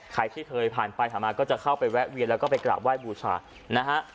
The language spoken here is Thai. ใครที่เคยผ่านไปผ่านมาก็จะเข้าไปแวะเวียนแล้วก็ไปกราบไห้บูชานะฮะ